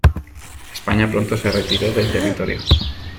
España pronto se retiró del territorio.